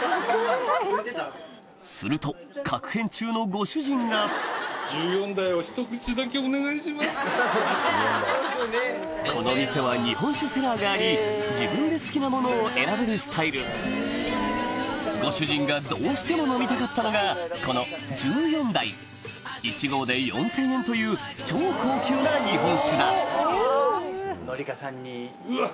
すると確変中のご主人がこの店は日本酒セラーがあり自分で好きなものを選べるスタイルご主人がどうしても飲みたかったのがこの「十四代」１合で４０００円という超高級な日本酒だうわっ！